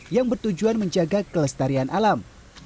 yang bertujuan menjaga kelestarian alam